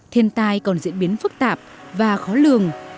thiên tai còn diễn biến phức tạp và khó lường